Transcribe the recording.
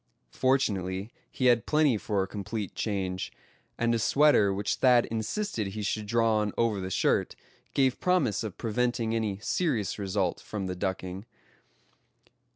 Fortunately he had plenty for a complete change, and a sweater which Thad insisted he should draw on over the shirt, gave promise of preventing any serious result from the ducking.